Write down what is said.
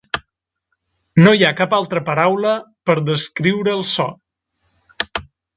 No hi ha cap altra paraula per descriure el so.